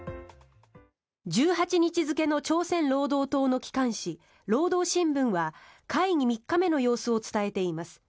１８日付の朝鮮労働党の機関紙労働新聞は会議３日目の様子を伝えています。